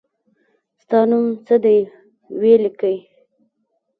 ستا نوم څه دی وي لیکی